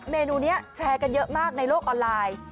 เมนูนี้แชร์กันเยอะมากในโลกออนไลน์